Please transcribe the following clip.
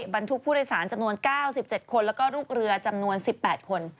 บรรทุกผู้โดยสารจำนวน๙๗คนแล้วก็ลูกเรือจำนวน๑๘คน